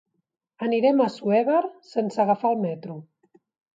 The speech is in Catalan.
Anirem a Assuévar sense agafar el metro.